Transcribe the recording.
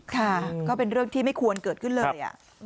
ค่ะก็เป็นเรื่องที่ไม่ควรเกิดขึ้นเลย